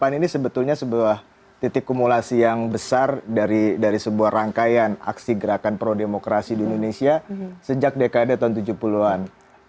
pan ini sebetulnya sebuah titik kumulasi yang besar dari sebuah rangkaian aksi gerakan pro demokrasi di indonesia sejak dekade tahun tujuh puluh an